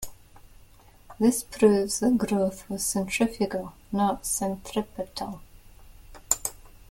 This proves that growth was centrifugal, not centripetal.